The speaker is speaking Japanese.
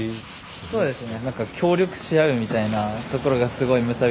そうですね。